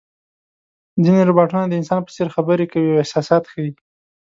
ځینې روباټونه د انسان په څېر خبرې کوي او احساسات ښيي.